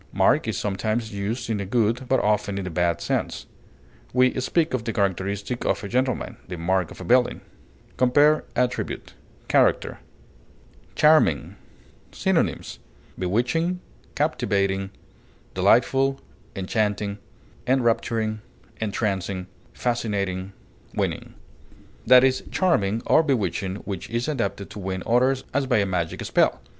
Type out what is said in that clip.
Mark is sometimes used in a good, but often in a bad sense; we speak of the characteristic of a gentleman, the mark of a villain. Compare ATTRIBUTE; CHARACTER. CHARMING. Synonyms: bewitching, delightful, enrapturing, fascinating, captivating, enchanting, entrancing, winning. That is charming or bewitching which is adapted to win others as by a magic spell.